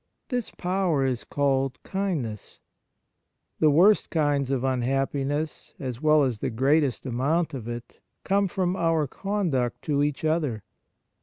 This power is called kindness. The worst kinds of unhappiness, as well as the greatest amount of it, come from our conduct to each other.